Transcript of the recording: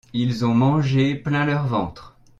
Ils ont mangé plein leur ventre.